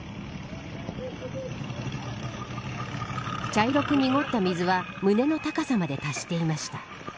茶色く濁った水は胸の高さまで達していました。